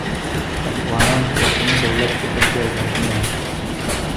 افغانان په اوسني دولت کې فردي ازادي نلري